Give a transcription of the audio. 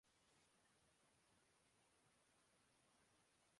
اس video میں نہ صرف ان دونوں